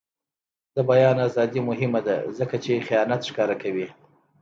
د بیان ازادي مهمه ده ځکه چې خیانت ښکاره کوي.